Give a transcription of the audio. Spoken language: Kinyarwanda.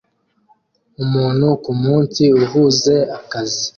Umuntu kumunsi uhuze akazi